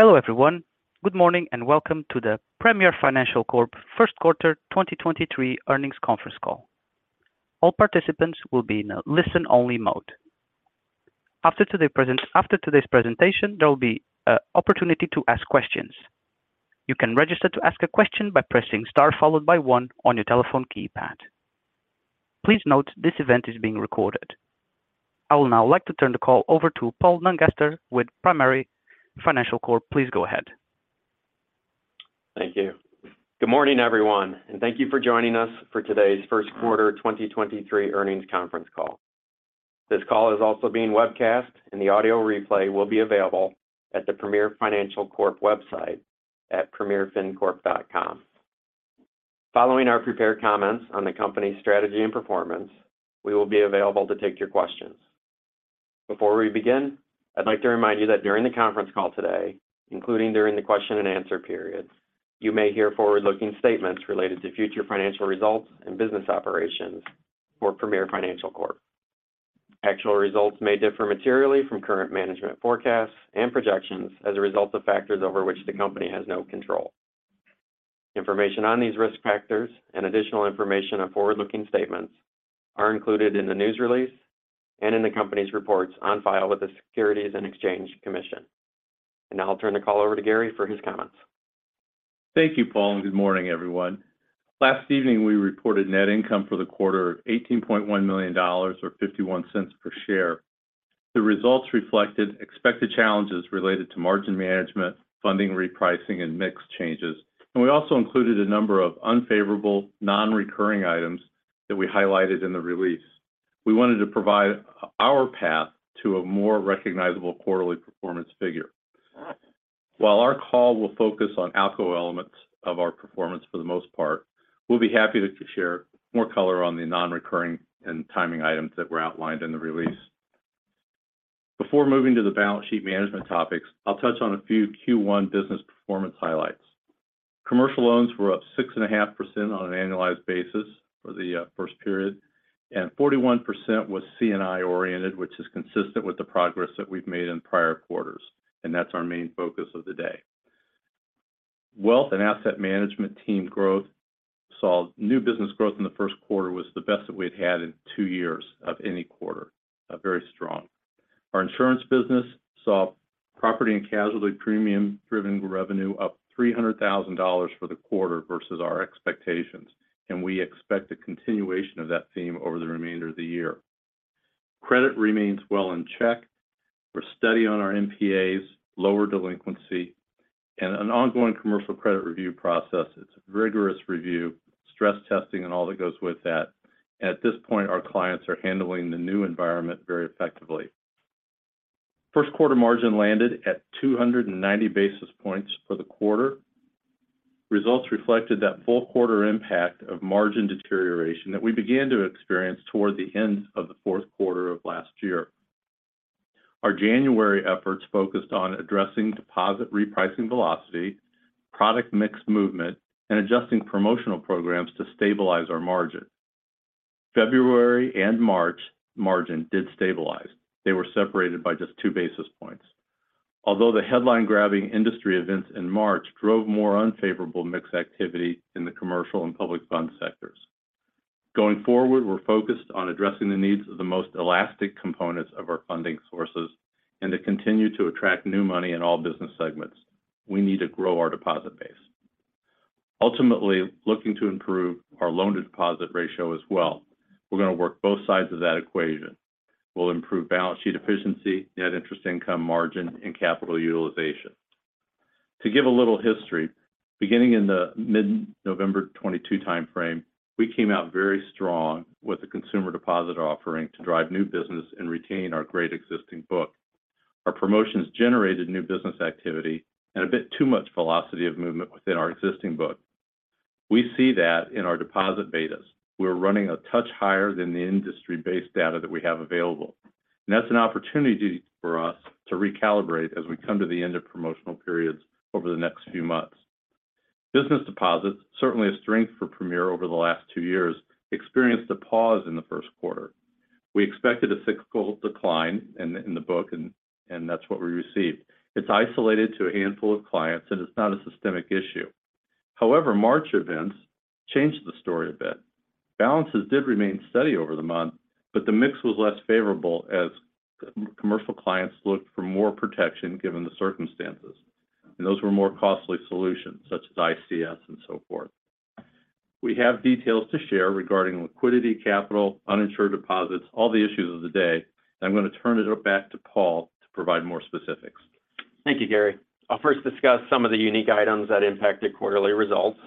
Hello, everyone. Good morning and welcome to the Premier Financial Corp 1st quarter 2023 earnings conference call. All participants will be in a listen-only mode. After today's presentation, there will be opportunity to ask questions. You can register to ask a question by pressing star followed by one on your telephone keypad. Please note this event is being recorded. I will now like to turn the call over to Paul Nungester with Premier Financial Corp. Please go ahead. Thank you. Good morning, everyone, and thank you for joining us for today's 1st quarter 2023 earnings conference call. This call is also being webcast, and the audio replay will be available at the Premier Financial Corp. website at premierfincorp.com. Following our prepared comments on the company's strategy and performance, we will be available to take your questions. Before we begin, I'd like to remind you that during the conference call today, including during the question and answer periods, you may hear forward-looking statements related to future financial results and business operations for Premier Financial Corp. Actual results may differ materially from current management forecasts and projections as a result of factors over which the company has no control. Information on these risk factors and additional information on forward-looking statements are included in the news release and in the company's reports on file with the Securities and Exchange Commission. Now I'll turn the call over to Gary for his comments. Thank you, Paul, and good morning, everyone. Last evening, we reported net income for the quarter of $18.1 million or $0.51 per share. The results reflected expected challenges related to margin management, funding repricing, and mix changes. We also included a number of unfavorable non-recurring items that we highlighted in the release. We wanted to provide our path to a more recognizable quarterly performance figure. While our call will focus on ALCO elements of our performance for the most part, we'll be happy to share more color on the non-recurring and timing items that were outlined in the release. Before moving to the balance sheet management topics, I'll touch on a few Q1 business performance highlights. Commercial loans were up 6.5% on an annualized basis for the first period, and 41% was C&I oriented, which is consistent with the progress that we've made in prior quarters, and that's our main focus of the day. Wealth and asset management team growth saw new business growth in the 1st quarter was the best that we'd had in two years of any quarter. Very strong. Our insurance business saw property and casualty premium-driven revenue up $300,000 for the quarter versus our expectations, and we expect a continuation of that theme over the remainder of the year. Credit remains well in check. We're steady on our NPAs, lower delinquency, and an ongoing commercial credit review process. It's a rigorous review, stress testing and all that goes with that. At this point, our clients are handling the new environment very effectively. 1st quarter margin landed at 290 basis points for the quarter. Results reflected that full quarter impact of margin deterioration that we began to experience toward the end of the 4th quarter of last year. Our January efforts focused on addressing deposit repricing velocity, product mix movement, and adjusting promotional programs to stabilize our margin. February and March margin did stabilize. They were separated by just two basis points. The headline-grabbing industry events in March drove more unfavorable mix activity in the commercial and public fund sectors. Going forward, we're focused on addressing the needs of the most elastic components of our funding sources and to continue to attract new money in all business segments. We need to grow our deposit base. Ultimately, looking to improve our loan-to-deposit ratio as well. We're going to work both sides of that equation, will improve balance sheet efficiency, net interest income margin, and capital utilization. To give a little history, beginning in the mid-November 2022 timeframe, we came out very strong with the consumer deposit offering to drive new business and retain our great existing book. Our promotions generated new business activity and a bit too much velocity of movement within our existing book. We see that in our deposit betas. We're running a touch higher than the industry-based data that we have available. That's an opportunity for us to recalibrate as we come to the end of promotional periods over the next few months. Business deposits, certainly a strength for Premier over the last two years, experienced a pause in the 1st quarter. We expected a cyclical decline in the book, and that's what we received. It's isolated to a handful of clients, and it's not a systemic issue. However, March events changed the story a bit. Balances did remain steady over the month, the mix was less favorable as commercial clients looked for more protection given the circumstances. Those were more costly solutions such as ICS and so forth. We have details to share regarding liquidity, capital, uninsured deposits, all the issues of the day. I'm going to turn it back to Paul to provide more specifics. Thank you, Gary. I'll first discuss some of the unique items that impacted quarterly results.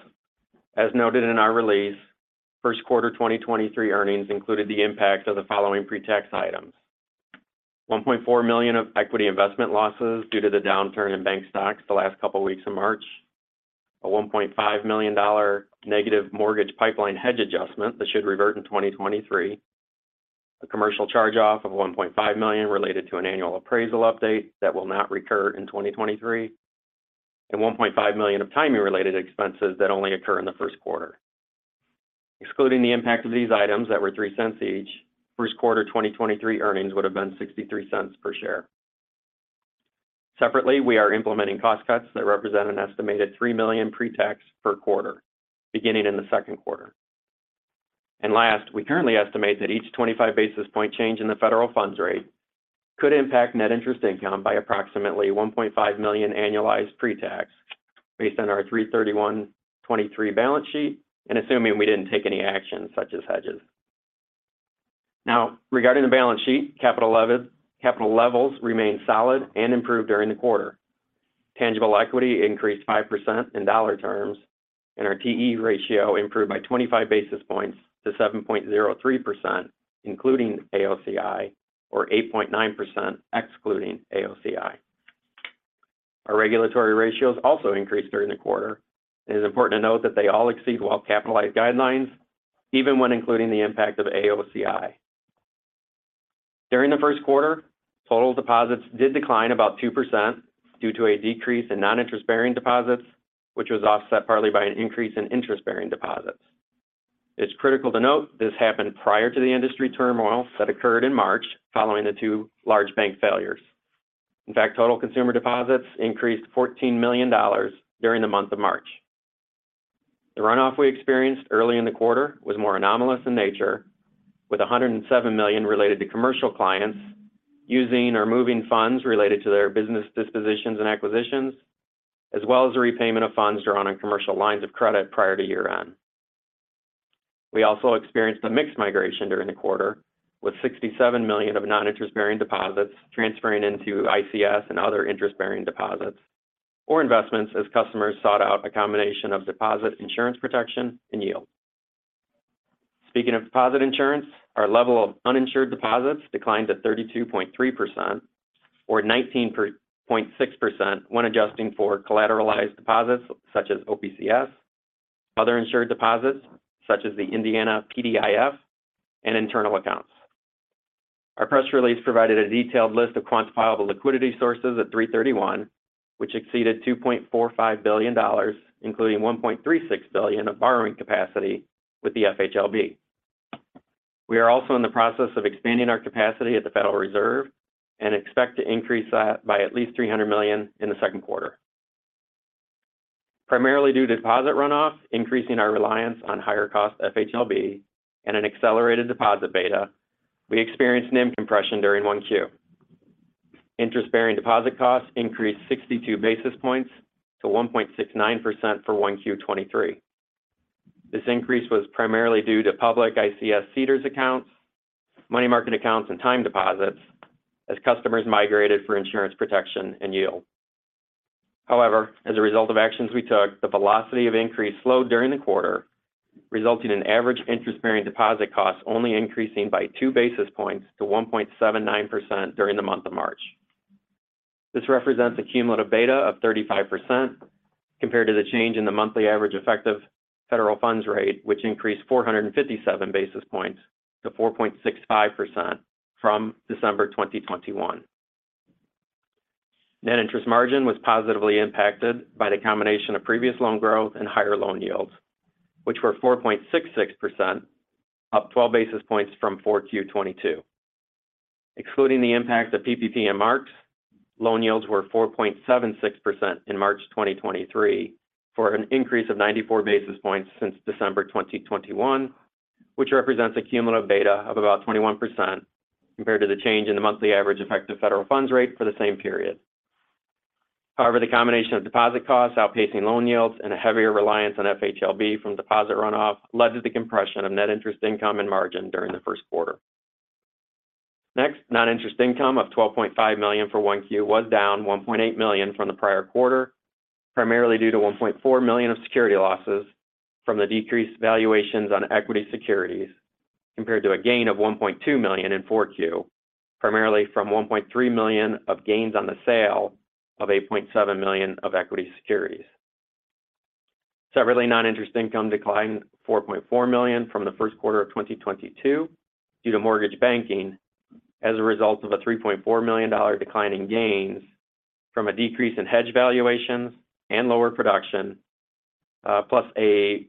As noted in our release, 1st quarter 2023 earnings included the impact of the following pre-tax items. $1.4 million of equity investment losses due to the downturn in bank stocks the last couple weeks of March. A $1.5 million negative mortgage pipeline hedge adjustment that should revert in 2023. A commercial charge-off of $1.5 million related to an annual appraisal update that will not recur in 2023. $1.5 million of timing-related expenses that only occur in the 1st quarter. excluding the impact of these items that were $0.03 each, 1st quarter 2023 earnings would have been $0.63 per share. Separately, we are implementing cost cuts that represent an estimated $3 million pre-tax per quarter beginning in the 2nd quarter. Last, we currently estimate that each 25 basis point change in the federal funds rate could impact net interest income by approximately $1.5 million annualized pre-tax based on our 3/31/2023 balance sheet and assuming we didn't take any action such as hedges. Regarding the balance sheet, capital levels remained solid and improved during the quarter. Tangible equity increased 5% in dollar terms, and our TE ratio improved by 25 basis points to 7.03%, including AOCI, or 8.9% excluding AOCI. Our regulatory ratios also increased during the quarter. It is important to note that they all exceed well-capitalized guidelines even when including the impact of AOCI. During the 1st quarter, total deposits did decline about 2% due to a decrease in non-interest-bearing deposits, which was offset partly by an increase in interest-bearing deposits. It's critical to note this happened prior to the industry turmoil that occurred in March following the two large bank failures. Total consumer deposits increased $14 million during the month of March. The runoff we experienced early in the quarter was more anomalous in nature, with $107 million related to commercial clients using or moving funds related to their business dispositions and acquisitions, as well as the repayment of funds drawn on commercial lines of credit prior to year-end. We also experienced a mixed migration during the quarter, with $67 million of non-interest-bearing deposits transferring into ICS and other interest-bearing deposits or investments as customers sought out a combination of deposit insurance protection and yield. Speaking of deposit insurance, our level of uninsured deposits declined to 32.3% or 19.6% when adjusting for collateralized deposits such as OPCS, other insured deposits such as the Indiana PDIF, and internal accounts. Our press release provided a detailed list of quantifiable liquidity sources at 3/31, which exceeded $2.45 billion, including $1.36 billion of borrowing capacity with the FHLB. We are also in the process of expanding our capacity at the Federal Reserve and expect to increase that by at least $300 million in the 2nd quarter. Primarily due to deposit runoff, increasing our reliance on higher cost FHLB, and an accelerated deposit beta, we experienced NIM compression during 1Q. Interest-bearing deposit costs increased 62 basis points to 1.69% for 1Q 2023. This increase was primarily due to public ICS CDARS accounts, money market accounts, and time deposits as customers migrated for insurance protection and yield. As a result of actions we took, the velocity of increase slowed during the quarter, resulting in average interest-bearing deposit costs only increasing by two basis points to 1.79% during the month of March. This represents a cumulative beta of 35% compared to the change in the monthly average effective Federal Funds rate, which increased 457 basis points to 4.65% from December 2021. Net interest margin was positively impacted by the combination of previous loan growth and higher loan yields, which were 4.66%, up 12 basis points from 4Q 2022. Excluding the impact of PPP and marks, loan yields were 4.76% in March 2023 for an increase of 94 basis points since December 2021, which represents a cumulative beta of about 21% compared to the change in the monthly average effective federal funds rate for the same period. The combination of deposit costs outpacing loan yields and a heavier reliance on FHLB from deposit runoff led to the compression of net interest income and margin during the 1st quarter. Next, non-interest income of $12.5 million for 1Q was down $1.8 million from the prior quarter, primarily due to $1.4 million of security losses from the decreased valuations on equity securities compared to a gain of $1.2 million in 4Q, primarily from $1.3 million of gains on the sale of $8.7 million of equity securities. Separately, non-interest income declined $4.4 million from the 1st quarter of 2022 due to mortgage banking as a result of a $3.4 million decline in gains from a decrease in hedge valuations and lower production, plus a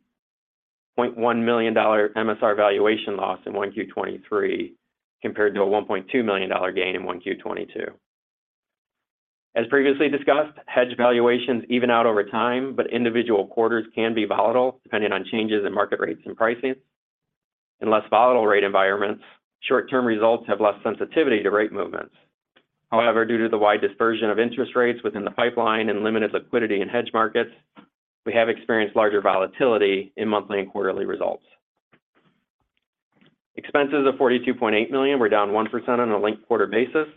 $0.1 million MSR valuation loss in 1Q 2023 compared to a $1.2 million gain in 1Q 2022. As previously discussed, hedge valuations even out over time, but individual quarters can be volatile depending on changes in market rates and pricing. In less volatile rate environments, short-term results have less sensitivity to rate movements. However, due to the wide dispersion of interest rates within the pipeline and limited liquidity in hedge markets, we have experienced larger volatility in monthly and quarterly results. Expenses of $42.8 million were down 1% on a linked quarter basis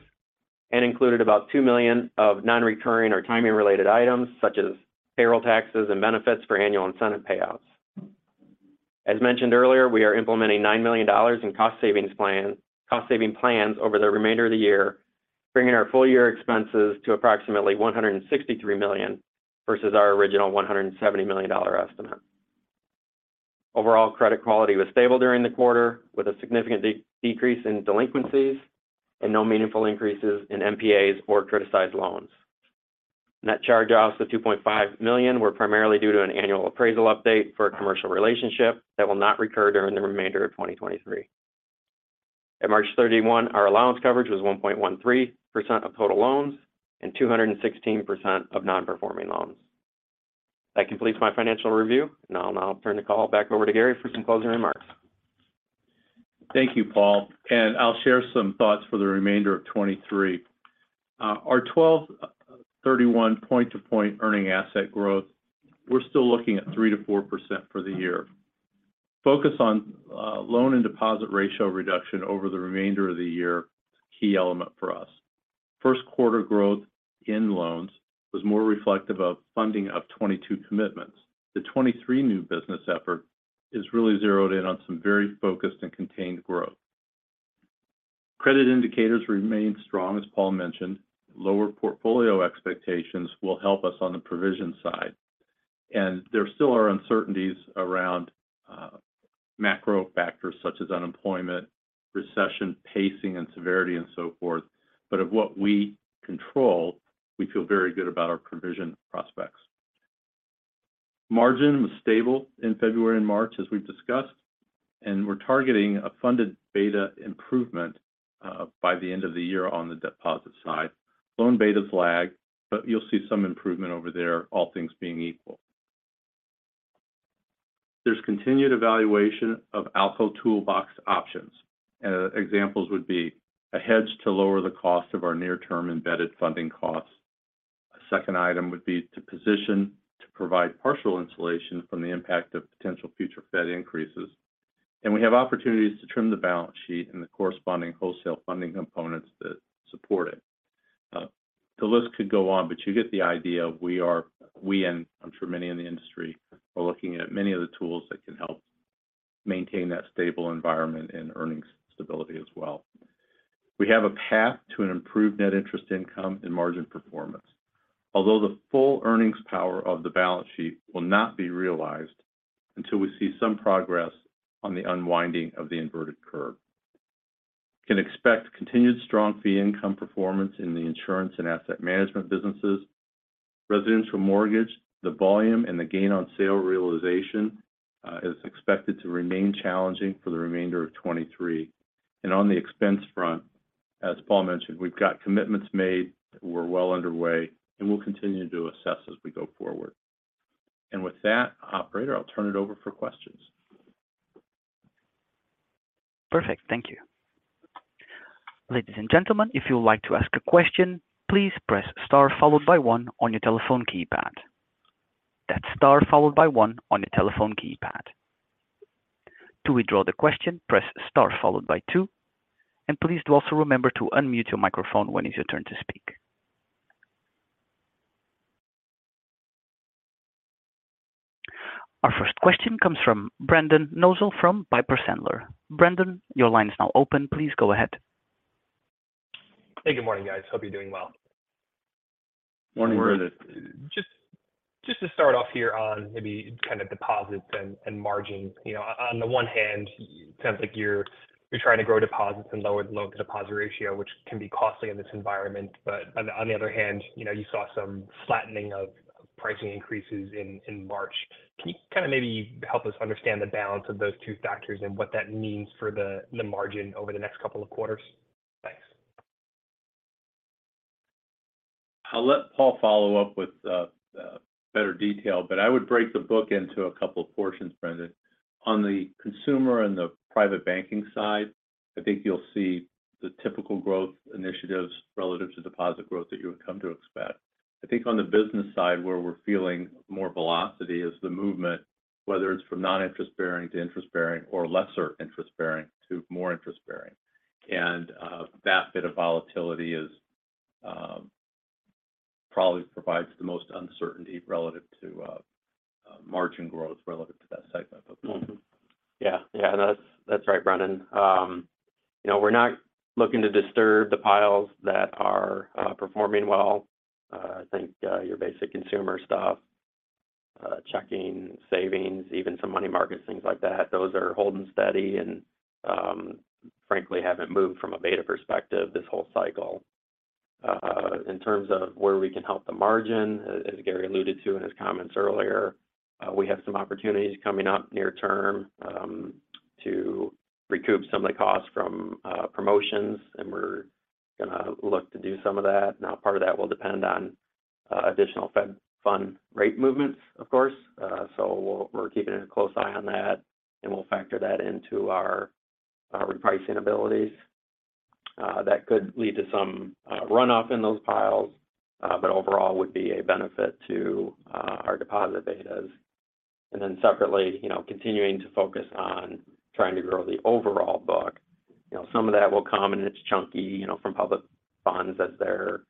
and included about $2 million of non-recurring or timing-related items such as payroll taxes and benefits for annual incentive payouts. As mentioned earlier, we are implementing $9 million in cost saving plans over the remainder of the year, bringing our full-year expenses to approximately $163 million versus our original $170 million estimate. Overall credit quality was stable during the quarter, with a significant decrease in delinquencies and no meaningful increases in NPAs or criticized loans. Net charge-offs of $2.5 million were primarily due to an annual appraisal update for a commercial relationship that will not recur during the remainder of 2023. At March 31, our allowance coverage was 1.13% of total loans and 216% of non-performing loans. That completes my financial review. Now I'll turn the call back over to Gary for some closing remarks. Thank you, Paul. I'll share some thoughts for the remainder of 2023. Our 12/31 point-to-point earning asset growth, we're still looking at 3%-4% for the year. Focus on loan and deposit ratio reduction over the remainder of the year is a key element for us. 1st quarter growth in loans was more reflective of funding of 2022 commitments. The 2023 new business effort is really zeroed in on some very focused and contained growth. Credit indicators remain strong, as Paul mentioned. Lower portfolio expectations will help us on the provision side. There still are uncertainties around macro factors such as unemployment, recession pacing and severity, and so forth. Of what we control, we feel very good about our provision prospects. Margin was stable in February and March, as we've discussed. We're targeting a funded beta improvement by the end of the year on the deposit side. Loan betas lag. You'll see some improvement over there, all things being equal. There's continued evaluation of ALCO toolbox options. Examples would be a hedge to lower the cost of our near-term embedded funding costs. A second item would be to position to provide partial insulation from the impact of potential future Fed increases. We have opportunities to trim the balance sheet and the corresponding wholesale funding components that support it. The list could go on. You get the idea. We and I'm sure many in the industry are looking at many of the tools that can help maintain that stable environment and earnings stability as well. We have a path to an improved net interest income and margin performance. The full earnings power of the balance sheet will not be realized until we see some progress on the unwinding of the inverted curve. Can expect continued strong fee income performance in the insurance and asset management businesses. Residential mortgage, the volume and the gain on sale realization, is expected to remain challenging for the remainder of 2023. On the expense front, as Paul mentioned, we've got commitments made. We're well underway, and we'll continue to assess as we go forward. With that, operator, I'll turn it over for questions. Perfect. Thank you. Ladies and gentlemen, if you would like to ask a question, please press star followed by one on your telephone keypad. That's star followed by one on your telephone keypad. To withdraw the question, press star followed by two. Please do also remember to unmute your microphone when it's your turn to speak. Our first question comes from Brendan Nosal from Piper Sandler. Brendan, your line is now open. Please go ahead. Hey, good morning, guys. Hope you're doing well. Morning, Brendan. Just to start off here on maybe kind of deposits and margins. You know, on the one hand, it sounds like you're trying to grow deposits and lower the loan-to-deposit ratio, which can be costly in this environment. But on the other hand, you know, you saw some flattening of pricing increases in March. Can you kind of maybe help us understand the balance of those two factors and what that means for the margin over the next couple of quarters? Thanks. I'll let Paul follow up with better detail, but I would break the book into a couple of portions, Brendan. On the consumer and the private banking side, I think you'll see the typical growth initiatives relative to deposit growth that you would come to expect. I think on the business side where we're feeling more velocity is the movement, whether it's from non-interest bearing to interest bearing or lesser interest bearing to more interest bearing. That bit of volatility is probably provides the most uncertainty relative to margin growth relevant to that segment of the book. Yeah. Yeah. That's, that's right, Brendan. You know, we're not looking to disturb the piles that are performing well. I think your basic consumer stuff, checking, savings, even some money markets, things like that, those are holding steady and, frankly, haven't moved from a beta perspective this whole cycle. In terms of where we can help the margin, as Gary alluded to in his comments earlier, we have some opportunities coming up near term to recoup some of the costs from promotions, and we're gonna look to do some of that. Now part of that will depend on additional Fed Funds rate movements, of course. So we're keeping a close eye on that, and we'll factor that into our repricing abilities. That could lead to some runoff in those piles, but overall would be a benefit to our deposit betas. Separately, you know, continuing to focus on trying to grow the overall book. You know, some of that will come in its chunky, you know, from public bonds as their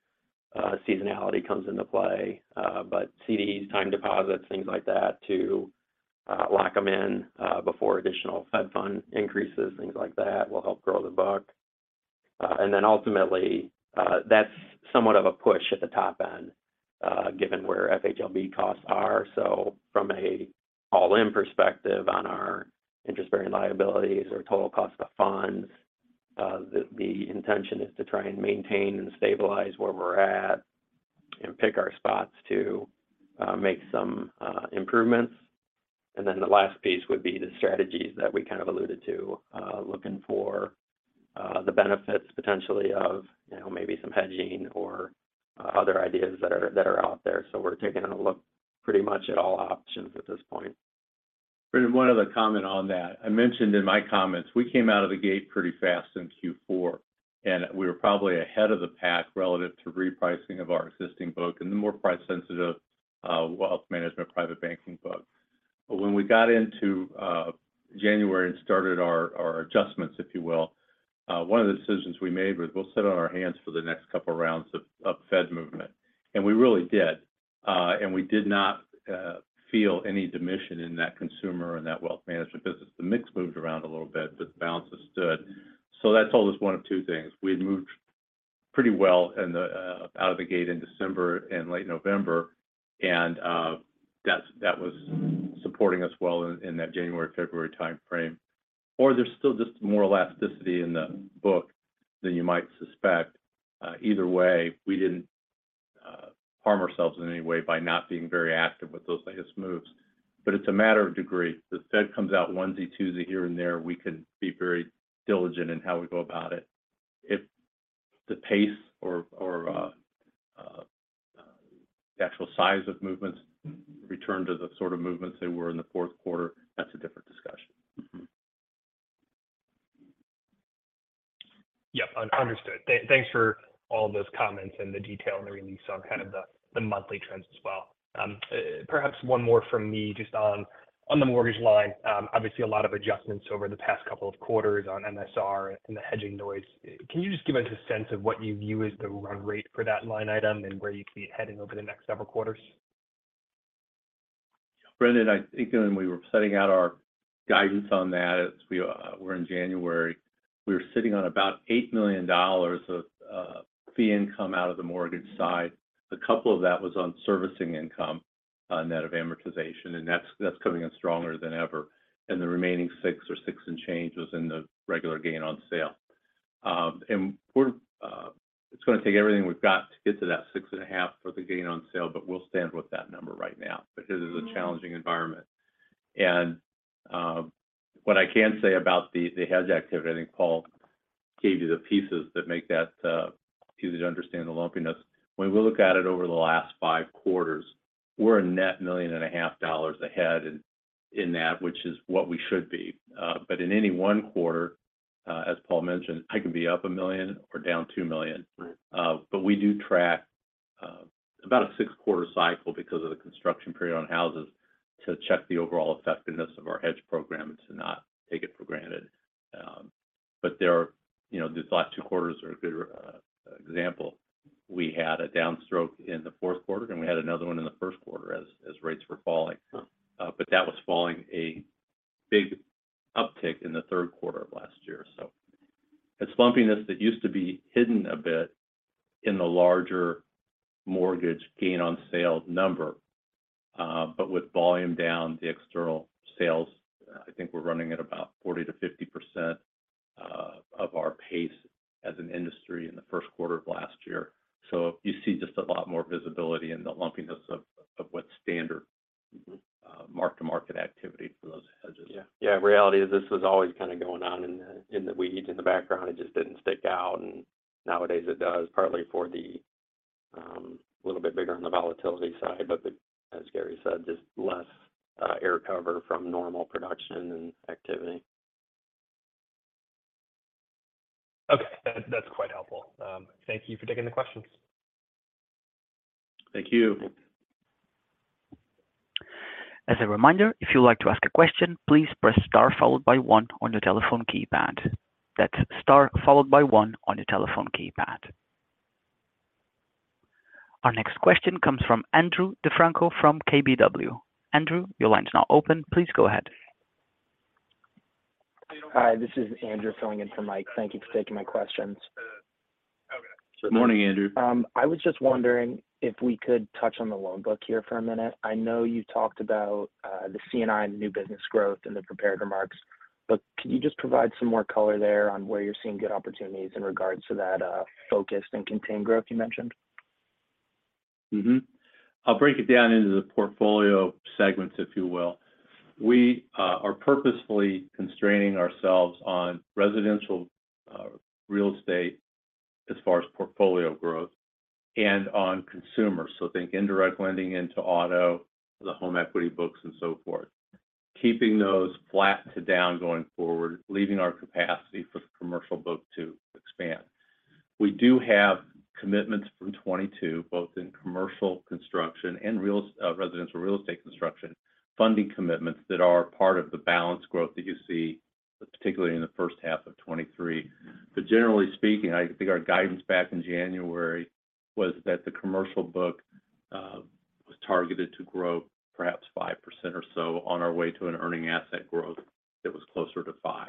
seasonality comes into play. CDs, time deposits, things like that to lock them in before additional Fed Funds increases, things like that will help grow the book. Ultimately, that's somewhat of a push at the top end, given where FHLB costs are. From a all-in perspective on our interest-bearing liabilities or total cost of funds, the intention is to try and maintain and stabilize where we're at and pick our spots to make some improvements. The last piece would be the strategies that we kind of alluded to, looking for the benefits potentially of, you know, maybe some hedging or other ideas that are, that are out there. We're taking a look pretty much at all options at this point. Brendan, one other comment on that. I mentioned in my comments we came out of the gate pretty fast in Q4, and we were probably ahead of the pack relative to repricing of our existing book and the more price-sensitive, wealth management private banking book. When we got into January and started our adjustments, if you will, one of the decisions we made was we'll sit on our hands for the next couple of rounds of Fed movement. We really did. We did not feel any diminution in that consumer and that wealth management business. The mix moved around a little bit, but the balance has stood. That told us one of two things. We had moved pretty well in the out of the gate in December and late November, and that was supporting us well in that January-February time frame. There's still just more elasticity in the book than you might suspect. Either way, we didn't harm ourselves in any way by not being very active with those latest moves. It's a matter of degree. The Fed comes out onesie, twosie here and there, we can be very diligent in how we go about it. If the pace or the actual size of movements return to the sort of movements they were in the 4th quarter, that's a different discussion. Yep, understood. Thanks for all those comments and the detail in the release on kind of the monthly trends as well. Perhaps one more from me just on the mortgage line. Obviously a lot of adjustments over the past couple of quarters on MSR and the hedging noise. Can you just give us a sense of what you view as the run rate for that line item and where you see it heading over the next several quarters? Brendan, I think when we were setting out our guidance on that as we were in January, we were sitting on about $8 million of fee income out of the mortgage side. A couple of that was on servicing income, net of amortization, that's coming in stronger than ever. The remaining six or six and change was in the regular gain on sale. It's going to take everything we've got to get to that 6.5 for the gain on sale, but we'll stand with that number right now because it is a challenging environment. What I can say about the hedge activity, I think Paul gave you the pieces that make that easy to understand the lumpiness. When we look at it over the last five quarters, we're a net million and a half dollars ahead in that, which is what we should be. In any one quarter, as Paul mentioned, I can be up $1 million or down $2 million. Right. We do track, about a six-quarter cycle because of the construction period on houses to check the overall effectiveness of our hedge program to not take it for granted. You know, these last two quarters are a good, example. We had a downstroke in the 4th quarter, and we had another one in the 1st quarter as rates were falling. That was following a big uptick in the 3rd quarter of last year. It's lumpiness that used to be hidden a bit in the larger mortgage gain on sale number. With volume down, the external sales, I think we're running at about 40%-50% of our pace as an industry in the 1st quarter of last year. You see just a lot more visibility in the lumpiness of what's standard- Mm-hmm Mark-to-market activity for those hedges. Yeah. Yeah, reality is this was always kind of going on in the, in the weeds, in the background. It just didn't stick out, and nowadays it does, partly for the a little bit bigger on the volatility side. as Gary said, just less air cover from normal production and activity. Okay. That's quite helpful. Thank you for taking the questions. Thank you. As a reminder, if you would like to ask a question, please press star followed by one on your telephone keypad. That's star followed by one on your telephone keypad. Our next question comes from Andrew DeFranco from KBW. Andrew, your line is now open. Please go ahead. Hi, this is Andrew filling in for Mike. Thank you for taking my questions. Morning, Andrew. I was just wondering if we could touch on the loan book here for a minute. I know you talked about the C&I and the new business growth in the prepared remarks, can you just provide some more color there on where you're seeing good opportunities in regards to that focused and contained growth you mentioned? I'll break it down into the portfolio segments, if you will. We are purposefully constraining ourselves on residential real estate as far as portfolio growth and on consumer. Think indirect lending into auto, the home equity books, and so forth. Keeping those flat to down going forward, leaving our capacity for the commercial book to expand. We do have commitments from 2022, both in commercial construction and residential real estate construction, funding commitments that are part of the balance growth that you see, particularly in the first half of 2023. Generally speaking, I think our guidance back in January was that the commercial book was targeted to grow perhaps 5% or so on our way to an earning asset growth that was closer to 5%.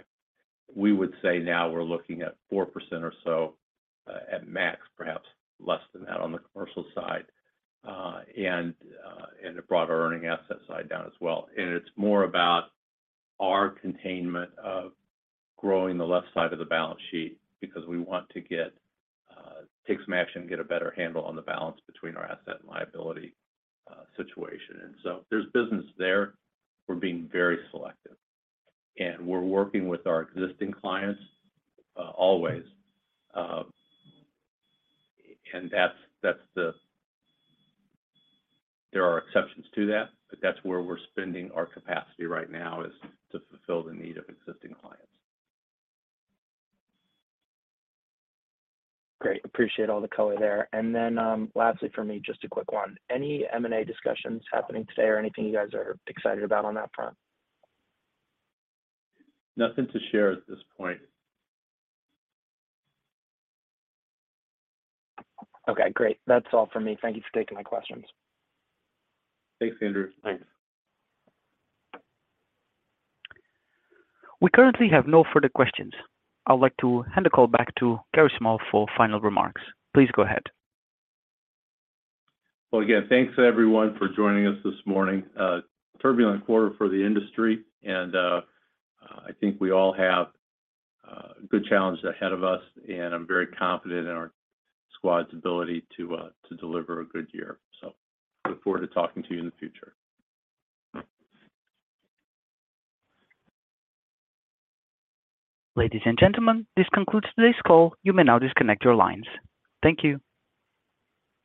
We would say now we're looking at 4% or so at max, perhaps less than that on the commercial side. It brought our earning asset side down as well. It's more about our containment of growing the left side of the balance sheet because we want to get, take some action, get a better handle on the balance between our asset and liability, situation. There's business there. We're being very selective. We're working with our existing clients, always. That's, there are exceptions to that, but that's where we're spending our capacity right now is to fulfill the need of existing clients. Great. Appreciate all the color there. Lastly for me, just a quick one. Any M&A discussions happening today or anything you guys are excited about on that front? Nothing to share at this point. Okay, great. That's all for me. Thank you for taking my questions. Thanks, Andrew. Thanks. We currently have no further questions. I would like to hand the call back to Gary Small for final remarks. Please go ahead. Well, again, thanks, everyone, for joining us this morning. A turbulent quarter for the industry and I think we all have a good challenge ahead of us, and I'm very confident in our squad's ability to deliver a good year. Look forward to talking to you in the future. Ladies and gentlemen, this concludes today's call. You may now disconnect your lines. Thank you.